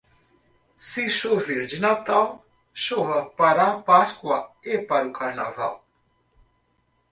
Se chover de Natal, chova para a Páscoa e para o Carnaval.